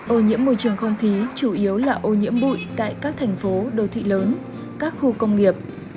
ô nhiễm môi trường không khí chủ yếu là ô nhiễm bụi tại các thành phố đô thị lớn các khu công nghiệp